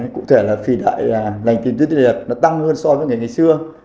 cụ thể là phi đại lành tiến tuyến liệt nó tăng hơn so với ngày xưa